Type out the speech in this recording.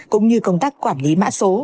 cũng như công tác quản lý mã số